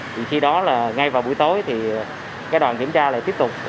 thì khi đó là ngay vào buổi tối thì cái đoàn kiểm tra lại tiếp tục